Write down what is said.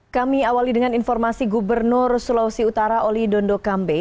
kami awali dengan informasi gubernur sulawesi utara oli dondo kambe